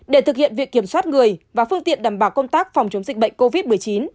để thực hiện việc kiểm soát người và phương tiện đảm bảo công tác phòng chống dịch bệnh covid một mươi chín